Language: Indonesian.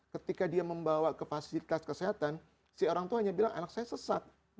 ketika dia membawa ke fasilitas kesehatan si orang tua hanya bilang anak saya sesat